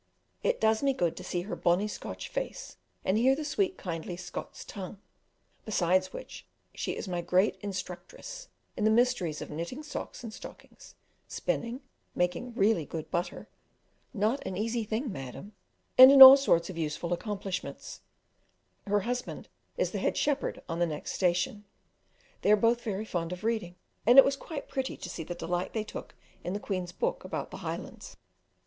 It does me good to see her bonny Scotch face, and hear the sweet kindly "Scot's tongue;" besides which she is my great instructress in the mysteries of knitting socks and stockings, spinning, making really good butter (not an easy thing, madam), and in all sorts of useful accomplishments; her husband is the head shepherd on the next station. They are both very fond of reading, and it was quite pretty to see the delight they took in the Queen's book about the Highlands.